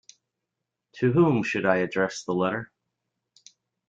To whom should I address the letter?